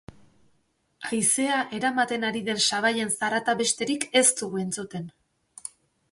Haizea eramaten ari den sabaien zarata besterik ez dugu entzuten.